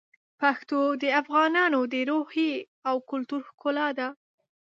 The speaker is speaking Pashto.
پښتو د افغانانو د روحیې او کلتور ښکلا ده.